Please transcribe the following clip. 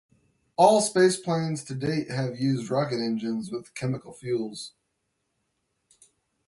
All spaceplanes to date have used rocket engines with chemical fuels.